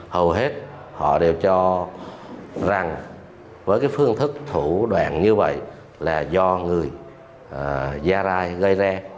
hầu hết họ đều cho rằng với phương thức thủ đoạn như vậy là do người gia rai gây ra